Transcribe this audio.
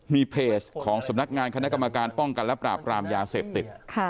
มีเพจของสำนักงานคณะกรรมการป้องกันและปราบรามยาเสพติด